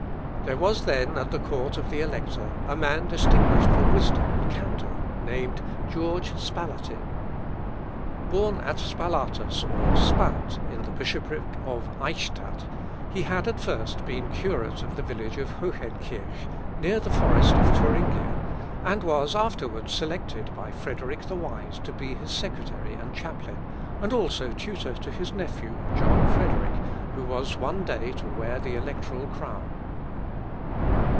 There was then at the court of the elector a man distinguished for wisdom and candour, named George Spalatin. Born at Spalatus or Spalt, in the bishopric of Eichstadt, he had at first been curate of the village of Hohenkirch, near the forest of Thuringia, and was afterwards selected by Frederick the Wise to be his secretary and chaplain, and also tutor to his nephew, John Frederick, who was one day to wear the electoral crown.